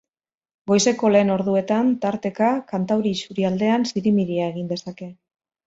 Goizeko lehen orduetan tarteka kantauri isurialdean zirimiria egin dezake.